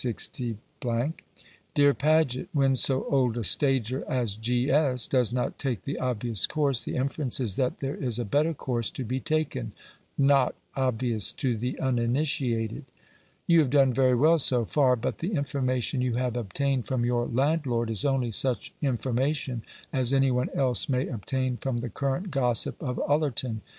DEAR PAGET, When so old a stager as G. S. does not take the obvious course, the inference is that there is a better course to be taken not obvious to the uninitiated. You have done very well so far, but the information you have obtained from your landlord is only such information as any one else may obtain from the current gossip of Ullerton.